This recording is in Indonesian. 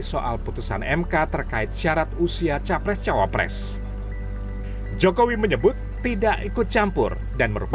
soal putusan mk terkait syarat usia capres cawapres jokowi menyebut tidak ikut campur dan merupakan